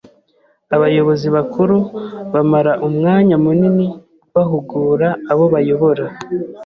Abayobozi bakuru bamara umwanya munini bahugura abo bayobora.